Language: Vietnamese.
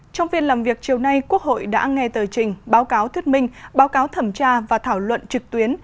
trong phiên làm việc chiều nay quốc hội đã nghe tờ trình báo cáo thuyết minh báo cáo thẩm tra và thảo luận trực tuyến